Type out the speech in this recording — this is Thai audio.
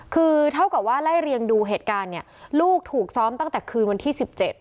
คือเท่ากับว่าไล่เรียงดูเหตุการณ์เนี่ยลูกถูกซ้อมตั้งแต่คืนวันที่๑๗